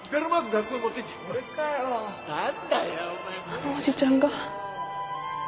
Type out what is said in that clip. あのおじちゃんが。